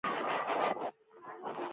چാണکیا د هغه وزیر او لارښود و.